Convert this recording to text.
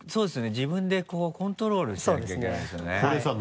自分でコントロールしなきゃいけないんですよね。